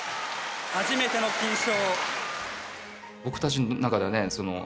初めての金賞。